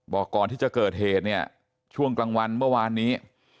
บอกก่อนที่จะเกิดเหตุเนี่ยช่วงกลางวันเมื่อวานนี้